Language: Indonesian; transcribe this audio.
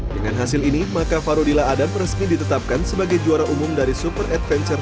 dengan hasil ini maka farudillah adam resmi ditetapkan sebagai juara umum dari super adventure